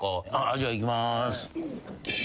じゃあいきます。